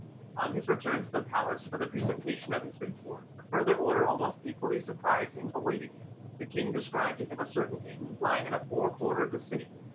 On his return to the palace for the presentation of his report, a further order almost equally surprising awaited him. The King described to him a certain inn lying in a poor quarter of the city.